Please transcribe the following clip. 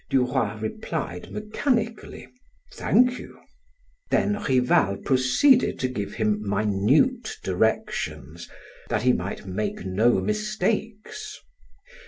Duroy replied mechanically: "Thank you." Then Rival proceeded to give him minute directions, that he might make no mistakes.